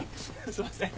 すいません。